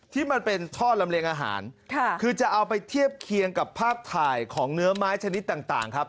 ที่มันเป็นท่อลำเลียงอาหารค่ะคือจะเอาไปเทียบเคียงกับภาพถ่ายของเนื้อไม้ชนิดต่างครับ